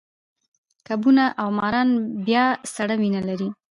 کبونه او ماران بیا سړه وینه لري